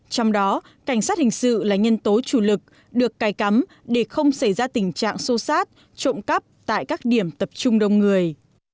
trong đó cảnh sát hình sự là nhân tố chủ lực được cài cắm để không xảy ra tình trạng xô xát trộm cắp tại các điểm tập trung đông người